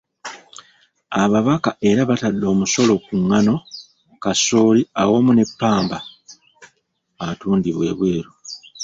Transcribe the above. Ababaka era batadde omusolo ku ngano, kasooli awamu ne ppamba atundibwa ebweru.